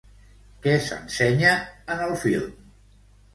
Què s'ensenya en el film?